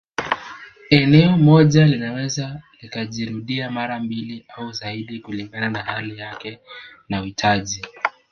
Eneo moja linaweza likajirudia mara mbili au zaidi kulingana na hali yake na uhitaji